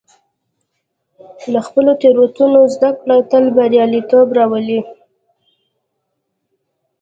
له خپلو تېروتنو زده کړه تل بریالیتوب راولي.